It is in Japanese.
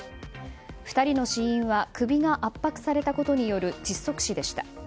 ２人の死因は首が圧迫されたことによる窒息死でした。